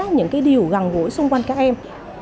những cái điều gần gũi xung quanh các em